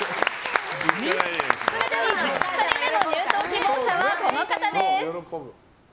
それでは２人目の入党希望者はこの方です。